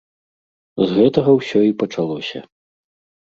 З гэтага ўсё і пачалося.